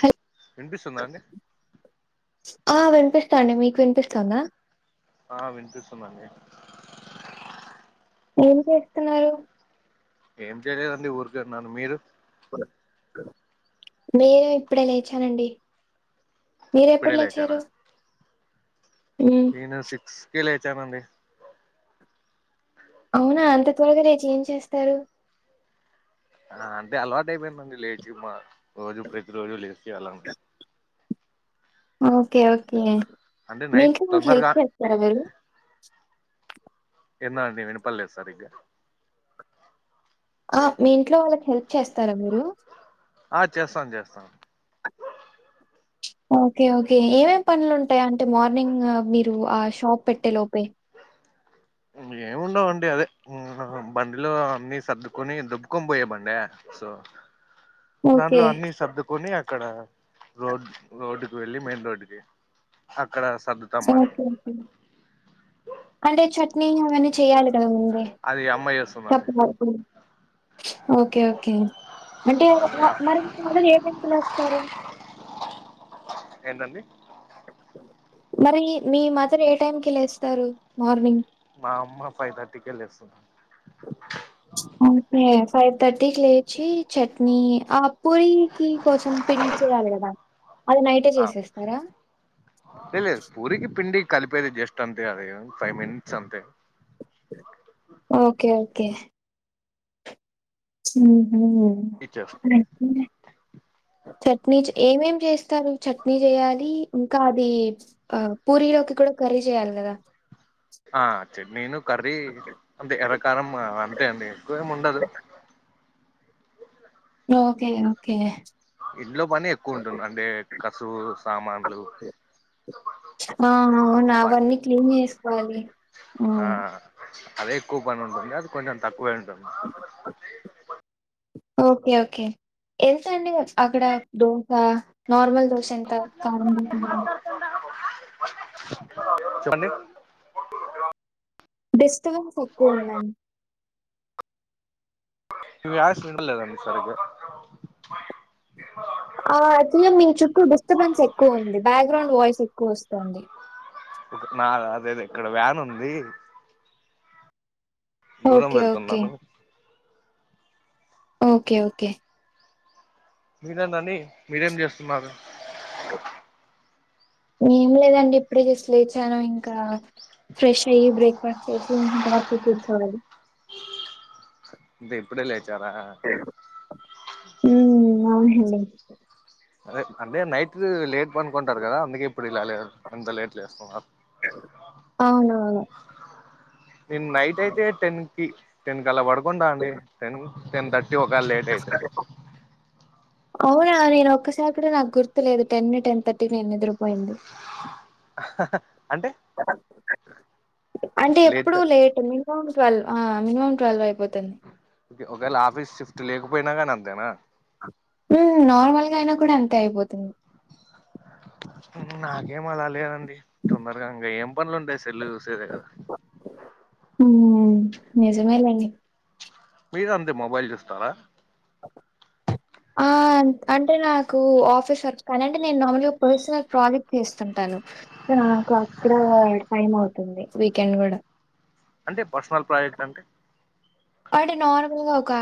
హల్ వినిపిస్తుందా అండి ఆ వినిపిస్తా అండి మీకు వినిపిస్తుందా ఆ వినిపిస్తుంది అండి ఏం చేస్తున్నారు ఏం చేయలేదండి ఊరికే ఉన్నాను మీరు నేను ఇప్పుడే లేచానండి మీరెప్పుడు ఇప్పుడే లేచారు లేచారా అ నేను సిక్స్ కి లేచాను అండి హలో అవునా అంత త్వరగా లేేచి ఏం చేస్తారు ఆ అంటే అలవాటు అయిపోయిందండి లేచి రోజు ప్రతి రోజు లేచి అలా ఓకే ఓకే అంటే మీ నైట్ ఇంట్లో వాళ్లకి తొందరగా హెల్త్ చేస్తారా మీరు ఏందో అండి విన్ పల్లె సరిగ్గా ఆ మీ ఇంట్లో వాళ్ళకి హెల్ప్ చేస్తారా మీరు ఆ చేస్తాను చేస్తాను ఓకే ఓకే ఏమేం పనులుంటాయి అంటే మార్నింగ్ మీరు ఆ షాప్ పెట్టే లోపే ఏముండవుండి అదే బండిలో అన్ని సర్దుకొని దొబ్బుకొని పోయే బండి సో ఓకే దాంట్లో అన్ని సర్దుకొని అక్కడ రోడ్ రోడ్ వెళ్ళి మెయిన్ రోడ్ కి అక్కడ సర్ ఓ అంటే చట్నీ అవన్నీ చేయాలి కదా ముందే అది అమ్మాయి చేస్తుందండి అప్పటివరకు ఓకే ఓకే అంటే అవునా? మరి మీ మదర్ ఏ టైం కి లేస్తారు ఏంటండి మరి మీ మదర్ ఏ టైమ్కి లేస్తారు మార్నింగ్ మా అమ్మ ఫైవ్ థర్టీకే లేస్తుంది అయితే ఫైవ్ థర్టీకి లేచి చట్నీ ఆ పూరికి కోసం పిండి చేయాలి కదా అది నైటే చేసేస్తారా ఏ లేదు పూరి పిండి కలిపేది జస్ట్ అంతే అదే ఫైవ్ మినిట్స్ అంతే ఓకే ఓకే ఉ హు టీచర్ తగ్గింది చట్నీ ఏమేం చేస్తారు చట్నీ చేయాలి ఇంకా అది ఆ పూరీలోకి కూడా కర్రీ చేయాలి కదా ఆ చట్నీను కర్రీ అంటే ఎర్రకారం అంతే అండి ఎక్కువేమి ఉండదు ఓకే ఓకే ఇంట్లో పని ఎక్కువ ఉంటుంది అంటే కసువు సామాన్లు ఆ అవునా బట్ట అవన్నీ క్లీన్ చేసుకోవాలి ఆ అవును. అదే ఎక్కువ పని ఉంటుంది అది కొంచెం తక్కువే ఉంటుంది ఓకే ఓకే ఎంత అండి అక్కడ దోశ నార్మల్ దోశ ఎంత కారం దోశ ఎంత పోతున్నావు హాయ్ చెప్పండి డిస్టబెన్స్ ఎక్కువ ఉందండి ఈ యాడ్స్ నిండా లేదండి సరిగా అవును ఆ జీఎం మీ చుట్టూ డిస్టర్బెన్స్ ఎక్కువ ఉంది బ్యాక్గ్రౌండ్ వాయిస్ ఎక్కువ వస్తుంది నా అదేది ఇక్కడ వ్యాన్ ఉంది దూరం ఓకే. ఓకే. వెళ్తున్నాను ఓకే ఓకే మీరెందండి మీరేం చేస్తున్నారు ఏం లేదండి ఇప్పుడే జస్ట్ లేచాను ఇంకా ఫ్రెష్ అయ్యి బ్రేక్ఫాస్ట్ చేసి ఇంకా అక్క కూర్చోవాలి అంటే ఇప్పుడే లేచారా ఉ అవునండి అంటే నైట్ లేట్ పనుకుంటారు కదా అందుకే ఇప్పుడు ఇలా లేదు ఎంత లేట్ లేస్తున్నారు అవునుఅవును నేను నైట్ అయితే టెన్ కి టెన్ క అలా పడకుండా అండి టేను టేన్ థర్టీ లేకపోతే లేట్ అయితే రీస్కేరీకు అవునా నేను ఒక్కసారి కూడా నాకు గుర్తు లేదు టెన్ టెన్ థర్టీ నేను నిద్రపోయింది అంటే అంటే ఎప్పుడు లేట్గా లేట్ మీ phone cell twelve minimum twelve అయిపోతుంది ఒకవేళ ఆఫీస్ షిఫ్ట్ లేకపోయినా కానీ అంతేనా ఉ నార్మల్ గా అయినా కూడా అంతే అయిపోతుంది నాకేం అలా లేదండి తొందరగా ఇంకా ఏం పనులు ఉంటాయి సెల్లు చూసుడు చెరేగా అవి ఉ నిజమే లేండి మీరు అంతే మొబైల్ చూస్తారా ఆ అంటే నాకు ఆఫీస్ వర్క్ కానీ అంటే నేను మామూలుగా ఒక పర్సనల్ ప్రాజెక్ట్ చేస్తుంటాను నాకు అక్కడ టైమ్ అవుతుంది వీకెండ్ కూడా అంటే పర్సనల్ ప్రాజెక్ట్ అంటే అంటే నార్మల్ గా ఒక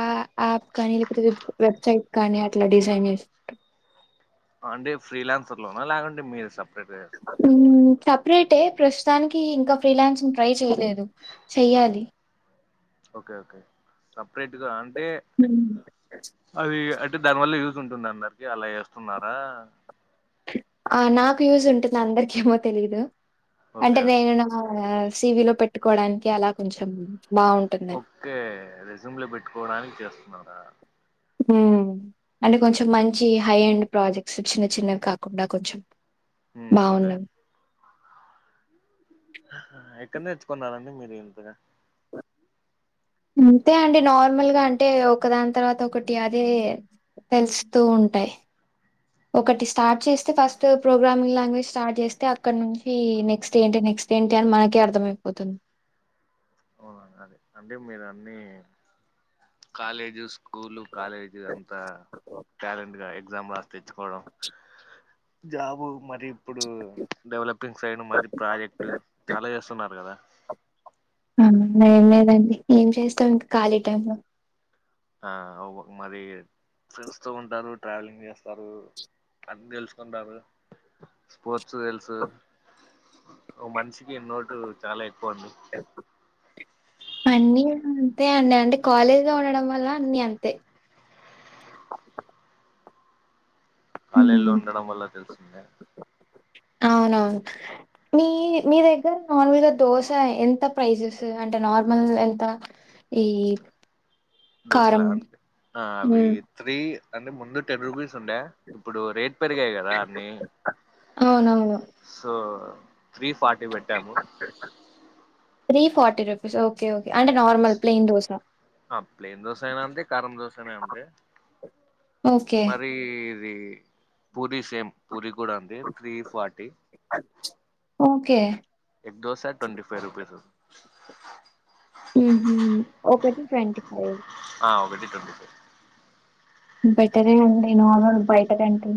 యాప్ కానీ లేకపోతే వెబ్సైట్ కానీ అట్లా డిజైన్ చే అంటే ఫ్రీలాన్స్ర్ లోనా లేకుంటే మీరు సపరేట్ గా ఉ సపరేటే ప్రస్తుతానికి ఇంకా ఫ్రీలాన్స్ంగ్ ట్రై చేయలేదు చెయ్యాలి ఓకే ఓకే సపరేట్గా అంటే ఉ అది అంటే దాని వల్ల యూజ్ ఉంటుంది అందరికి అలా వేస్తున్నారా ఆ నాకు యూజ్ ఉంటుంది అందరిక ఏమో తెలీదు ఓకే అంటే ఓకే నేను నా సివిలో పెట్టుకోవడానికి అలా కొంచెం బాగు ఓకే రెజూమ్ లో పెట్టుకోవడానికి చేస్తున్నరా అంటే కొంచెం మంచి హై ఎండ్ ప్రాజెక్ట్స్ చిన్న చిన్నవి కాకుండా కొంచెం హు ఓకే బావున్నాం. ఎక్కడ నేర్చుకున్నరండి మీరు ఇంతగా అంతే అండి నార్మల్గా అంటే ఒకదాని తర్వాత ఒకటి అదే తెలుస్తూ ఉంటాయి ఒకటి స్టార్ట్ చేస్తే ఫస్ట్ ప్రోగ్రామింగ్ లాంగ్వేజ్ స్టార్ట్ చేస్తే అక్కడ నుంచి నెక్స్ట్ ఏంటి నెక్స్ట్ ఏంటి అని మనకే అర్థమయిపోతుంది అవునా అది అంటే మీరు అన్ని కాలేజీస్ స్కూలు కాలేజీ అంతా టాలెంట్ గా ఎగ్జామ్ రాసి తెచ్చుకోవడం జాబు మరి ఇప్పుడు డెవలపింగ్ సైడ్ మరి ప్రాజెక్ట్ చాలా చేస్తున్నారు కదా ఏం లేదండి ఏం చేస్తాం ఇంకా ఖాళీ టైమ్ లో ఆ మరి ఫ్రెండ్స్ తో ఉంటారు ట్రావెలింగ్ చేస్తారు అది తెలుసుకుంటారు స్పోర్ట్స్ తెలుసు ఒక మనిషికి నోటు చాలా ఎక్కువ అండి అన్నీ అంతే అండి అండి కాలేజ్లో ఉండడం వల్ల అన్ని అంతే కాలేజ్ లో హ్మ్. ఉండడం వల్ల తెలిసింద అవునవును మీ మీ దగ్గర నార్మల్గా దోశ ఎంత ప్రైజెస్ అంటే నార్మల్ ఎంత ఇ దొసలా అండి ఆ అవి హ్మ్. త్రీ అంటే ముందు టెన్ రూపీస్ ఉండే ఇప్పుడు రేట్ పెరిగాయి కదా అన్ని అవునవును. సో త్రీ ఫ టీ పెట్టాము ఫార్టీ రూపీస్ ఓకే ఓకే అంటే నార్మల్ ప్లెయిన్ దోస ఆ ప్లెయిన్ దోసనా అంతే కారం దోశన అంతే ఓకే మరి ఇది పూరి సేమ్ పూరి కూడా అంతే three forty okay egg dosa twenty five rupees ఒకటి ట్వంటీ ఫైవ్ ఆ ఒకటి ట్వంటి ఫైవ్ బెటరే అండి నార్మల్ బయటకంటే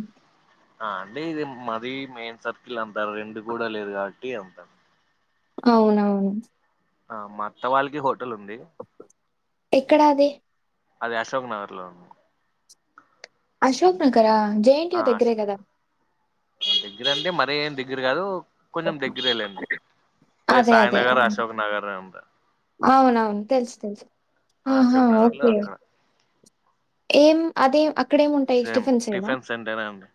ఆ అండి ఇది మది మెయిన్ సర్కిల్ అంతారు, రెండు గుడా లేదు కాబట్టి అంతారు. అవునవును ఆ మా అత్త వాళ్ళకి హోటల్ ఉంది. ఎక్కడా అది అది అశోక్ నగర్ లో ఉన్ అశోక్ నగారా ఆ అశోక్ దగ్గర అంటే మరి ఏం దగ్గర కాదు కొంచెం దగ్గరే లేండి అదే సాయి నగర్, అశోక్ నగర్ అంట అవునవును తెల్సు, తెల్సు ఆహా అశోక్ నగర్ లో ఓకే. అక్కడ ఏం అదే అక్కడేఏం ఉంటాయి, సేమ్ టిఫిన్సే నా టిఫిన్ సెంటరే అండి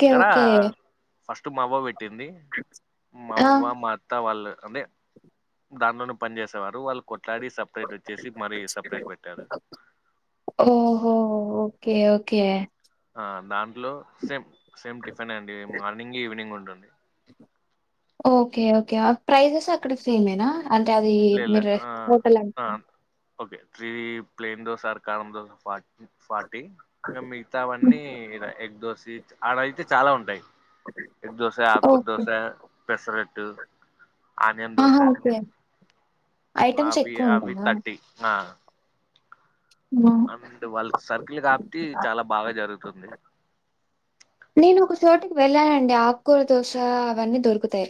అక్కడ ఫస్ట్ మాఅవ్వ పెట్టింది ఆ, మావ్వ, మా అత్ అత్త వాళ్ళు అదే దాంట్లోనే పని జేసేవారు, వాళ్ళు కొట్లాడి సప్ సపరేట్ ఒచ్చేసి మరీ సెపరేట్ పెట్టారు. ఓహో ఓకే ఓకే ఆ దాంట్లో సేమ్, సేమ్ టిఫిన్ అండి మార్నింగ్, ఈవినింగ్ ఉంటుంది. ఓకే ఓకే ఆ ప్రైజెస్ అక్కడ సేమేనా, అంటే అది మీర్ హోటల్ అన్ okay three plain dosa or karam dosa fat forty ఇంకా మిగతావాన్నీ ఎగ్ దోసి అడైతే చాలా ఉంటాయి. ఎగ్ దోస, ఆకుర్ okay dosa, pesarattu, onion dosa items ఎక్కువ ఉంటాందా. ఇ ఆ హ్మ్. అండ్ వాళ్ళకి సర్కిల్ కాబట్టి, చాలా బాగా జరుగుతుంది. నేను ఒక సోటికి వెళ్ళానండి ఆకూర దోస అవన్నీ దొరుకుతాయి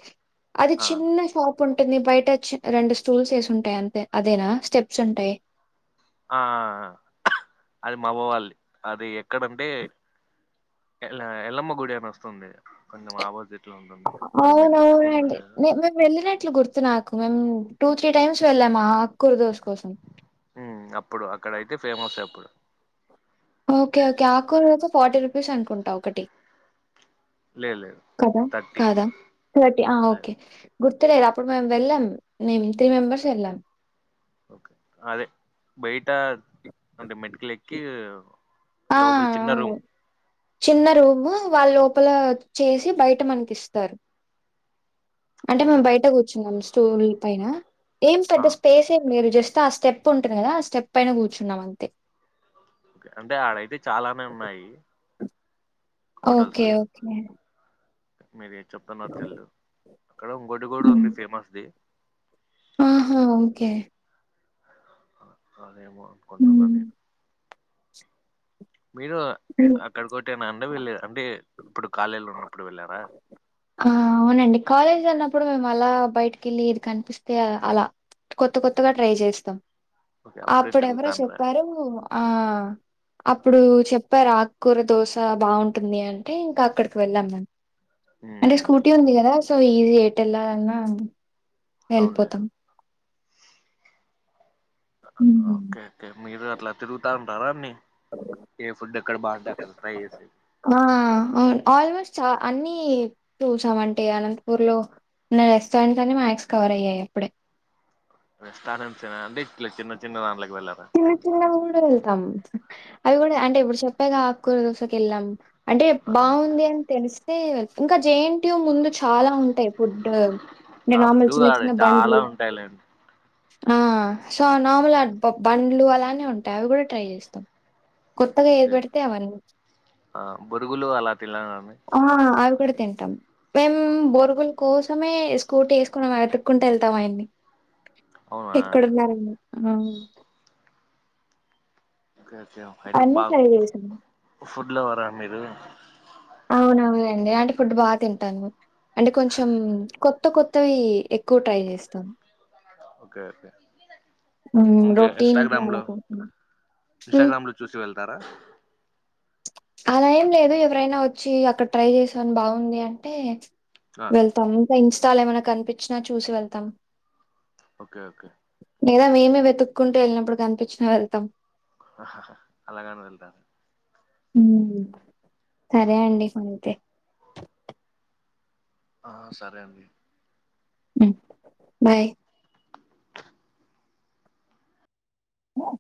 అది ఆ చిన్నషాప్ పున్ ఉంటుంది బయట చ్చి రెండు స్టూల్స్ ఏసి ఉంటాయి అంతే అదేనా స్టెప్స్ ఉంటాయి. ఆ ఆ ఆ ఆ అది మాఅవ్వ వాళ్ది అది ఎక్కడంటే ఎల్ ఎల్లమ్మ గుడి అని ఒస్తుంది, కొంచెం అపోజిట్ అవునవునండి నేన్ మేమ్ వెళ్ళినట్లు గుర్ ర్తు నాకు మేమ్ టూ, త్రీ టైమ్స్ వెళ్ళాం ఆక్కురా దోస కోసం. ఉమ్ అప్పుడు, అక్కడ అయితే ఫేమసే అప్పుడు. ఓకే ఓకే ఆకు కూరాఅయితే ఫార్టీ రుపీస్ అనుకుంటా ఒకటి. లేదు లేదు కద థర్టీ కాదా థర్టీ ఆ లేదు ఓకే గుర్తులేద్ అప్పుడు మేమ్ వెళ్ళాం, మేమ్ త్రీ మెంబర్స్ ఎళ్ళాం. ఓకే అదే బయట అంటే మెట్లెక్కి ఆ అవును చిన్న రూమ్, వాళ్ళు లోపల చేసి బయట మనకిస్తారు. అంటే మేమ్ అవునా బయట కూర్చున్నాం స్టూల్ పైన, ఏం ఆ, పెద్ద స్పేస్ ఏం లేదు, జస్ట్ ఆ స్టెప్ ప్ ఉంటాది గదా, ఆ స్టెప్ పైన కూర్చున్నాం అంతే. అంటే ఆడైతే చాలానే ఉన్నాయి హోటల్స్ ఓకే ఓకే మీరు ఏది చెప్తున్నార్ తెల్దు, అక్కడ ఇంగొటిగుడ్ ఉంది ఫేమస్ ది ఆహా ఓకే ఆ అదేమో అనుకుంటున్నా నేన్ మీరు అక్కడికోట్టేనా అండవెళ్ళే అంటే ఇప్పుడు కాలేజ్ లో ఉన్నప్పుడు వెళ్ళారా. ఆ అవునండి కాలేజీలో ఉన్నప్పుడు మేము అలా బయటికెళ్ళి ఏది కనిపిస్తే అలా కొత్త కొత్తగా ట్రై జేస్తాం, ఓకే అప్పుడే అప్పుడెవరో తిరుగుతాండ్రా చెప్పారు. ఆ అప్పుడు చెప్ చెప్పారు ఆక్కూర దోశ బాగుంటుంది అంటే ఇంకా అక్కడికి వెళ్ళాం మేం అంటే స్కూటీ ఉంది కదా సో ఈజీ ఎట్ వెళ్ళాలన్నా వెల్ పోతా అవునులేదు ఉ హు ఓకే ఓకే మీరు అట్లా తిరుగుతా ఉంటారా అన్నీ ఏ ఫుడ్ ఎక్కడ బాగుంటే అక్కడ ట్రై చేసి ఆ అవును ఆల్మోస్ట్ చ అన్ని చూసామంటే అనంతపూర్ లో నా రెస్టాయింస్ అని మ్యాక్స్ కవర్ అయ్యాయి అప్పుడే రెస్టారెంట్స్ చన అంటే ఇట్ల చిన్న చిన్న వాట్లకి వెళ్ళారా చిన్న చిన్నవి కూడా వెళ్తాం అవి కూడా అంటే ఇప్పుడు చెప్పేగా ఆకుకూర దోశక వెళ్ళాం అంటే బాగుంది అని తెలిస్తే ఇంకా జేఎన్ టు ముందు చాలా ఉంటాయి ఫుడ్ ఆ ఫుడ్ నార్మల్ చిన్న ఆడ చిన్న చాలా బండ్లు ఉంటాయిలేండి ఆ సో నార్మల్ బండ్లు అలానే ఉంటాయి అవి కూడా ట్రై చేస్తాం కొత్తగా ఏది ఓకే పెడితే అవన్నీ ఆ బొరుగులు అలా తినలేదండి ఆహా అవి కూడా తింటాం మేము బోరుగుల కోసమే స్కూటీ వేసుకొని వెతుక్కుంటా వెళ్తాం ఆయన్ని అవునా ఎక్కడు ఉన్నారండి ఆ ఓకే ఓకే అయితే అన్నీ బా ట్రై చేశాను. ఫుడ్ లో ఇవ్వరా మీరు అవునవునండి అలాంటే ఫుడ్డు బాగా తింటాను అంటే కొంచెం కొత్త కొత్తవి ఎక్కువ ట్రై చేస్తాం ఒకే ఒకే హ్మ్. రొటీన్ ఇన్స్టాగ్రామ్ అలా లో కాకుండా. హ్మ్. ఇన్స్టాగ్రామ్ లో చూసి వెళ్తారా అలా ఏం లేదు ఎవరైనా వచ్చి అక్కడ ట్రై చేశాను బాగుంది అంటే ఆ, వెళ్తాం ఇంకా ఇన్స్టాల్ ఏమైనా కనిపించినా చూసి వెళ్తాం ఓకే ఓకే లేదా మేమే వెతుక్కుంటే వెళ్ళినప్పుడు కనిపించినా వెళ్తాం హా హా అలాగాని వెళ్తా ఉమ్ సరే అండి అంతే ఆ సరే అండి ఉమ్ బాయ్